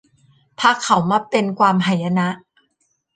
พาเขามาเป็นความหายนะ